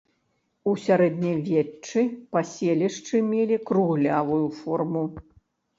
У сярэднявеччы паселішчы мелі круглявую форму.